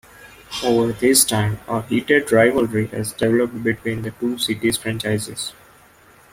Over this time, a heated rivalry has developed between the two cities' franchises.